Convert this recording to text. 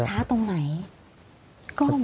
มันช้าตรงไหน